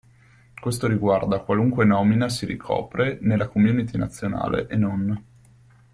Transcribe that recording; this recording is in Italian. Questo riguarda qualunque nomina si ricopre nella community nazionale e non.